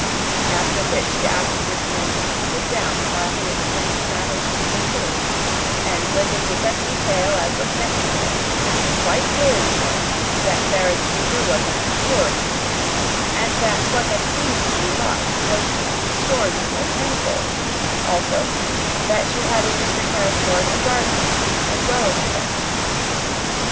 After which he asked Miss Minchin to sit down while he explained matters to her fully, and went into such detail as was necessary to make it quite clear to her that Sara's future was an assured one, and that what had seemed to be lost was to be restored to her tenfold; also, that she had in Mr. Carrisford a guardian as well as a friend.